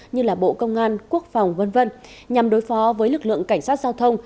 như bộ công an quốc phòng v v nhằm đối phó với lực lượng cảnh sát giao thông